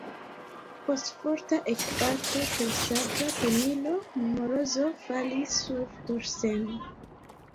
Post forta ekbato per sabra tenilo Morozov falis surdorsen.